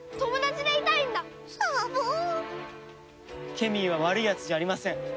ケミーは悪いやつじゃありません。